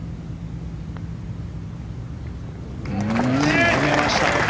沈めました。